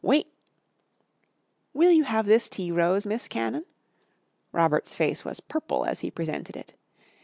Wait " "Will you have this tea rose, Miss Cannon?" Robert's face was purple as he presented it.